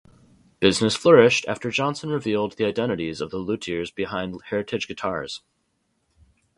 Business flourished after Johnson revealed the identities of the luthiers behind Heritage Guitars.